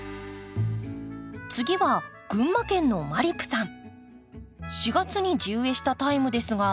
次は群馬県のまりぷさん。